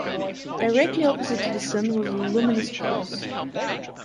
Directly opposite to the sun was a luminous cross.